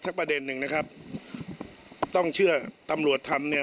ประเด็นหนึ่งนะครับต้องเชื่อตำรวจทำเนี่ย